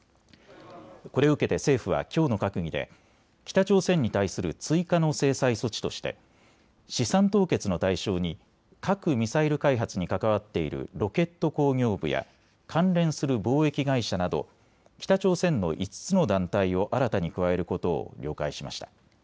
これを受けて政府はきょうの閣議で北朝鮮に対する追加の制裁措置として資産凍結の対象に核・ミサイル開発に関わっているロケット工業部や関連する貿易会社など北朝鮮の５つの団体を新たに加えることを了解しました。